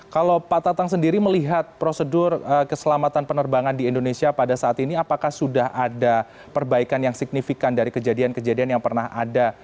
kalau pak tatang sendiri melihat prosedur keselamatan penerbangan di indonesia pada saat ini apakah sudah ada perbaikan yang signifikan dari kejadian kejadian yang pernah ada